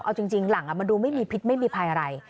เอาจริงหลังมันดูไม่มีพิษไม่มีภัยอะไร